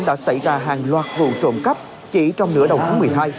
đã xảy ra hàng loạt vụ trộm cắp chỉ trong nửa đầu tháng một mươi hai